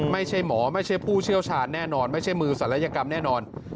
ไม่ใช่หมอไม่ใช่ผู้เชี่ยวชาญแน่นอนไม่ใช่มือศัลยกรรมแน่นอน